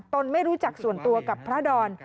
ไม่รู้จักส่วนตัวกับพระดอน